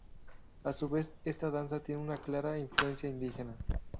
A su vez, esta danza tiene una clara influencia indígena.